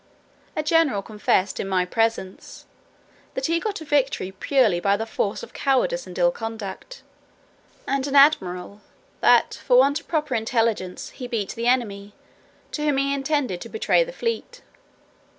A general confessed, in my presence, "that he got a victory purely by the force of cowardice and ill conduct;" and an admiral, "that, for want of proper intelligence, he beat the enemy, to whom he intended to betray the fleet."